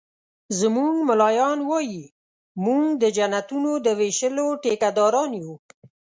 زموږ ملایان وایي مونږ د جنتونو د ویشلو ټيکه داران یو